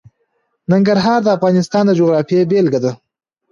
ننګرهار د افغانستان د جغرافیې بېلګه ده.